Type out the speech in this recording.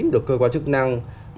được cơ quan chức năng